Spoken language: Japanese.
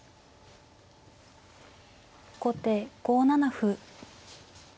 後手５七歩。